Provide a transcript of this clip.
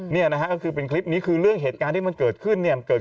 นี่นะฮะก็คือเป็นคลิปนี้คือเรื่องเหตุการณ์ที่มันเกิดขึ้นเนี่ย